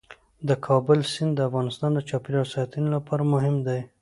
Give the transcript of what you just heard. د کابل سیند د افغانستان د چاپیریال ساتنې لپاره مهم دی.